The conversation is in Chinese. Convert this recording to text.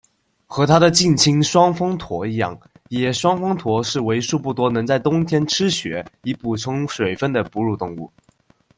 和它的近亲双峰驼一样，野双峰驼是为数不多能在冬天吃雪以补充水分的哺乳动物。